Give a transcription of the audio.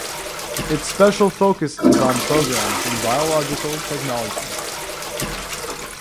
Its special focus is on programs in biological technology.